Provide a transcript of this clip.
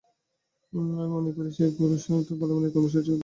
আমি মনে করি, সেই শুরু করতে হবে পারমাণবিক কর্মসূচি ইস্যু দিয়েই।